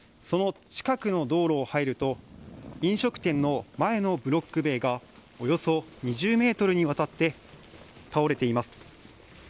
その近くの道路を入ると飲食店の前のブロック塀がおよそ２０ｍにわたって倒れています。